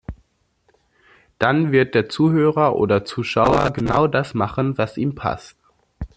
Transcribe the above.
Dann wird der Zuhörer oder Zuschauer genau das machen, was ihm passt.